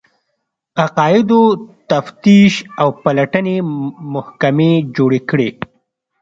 عقایدو تفتیش او پلټنې محکمې جوړې کړې